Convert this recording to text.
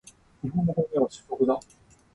日本の主食は米が中心だ